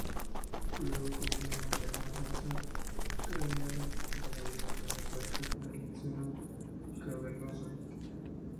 Luego continúa en la fosa craneana media en la pared lateral del seno cavernoso.